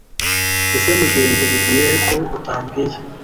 ese mugenzi ugiye he ko utambwiye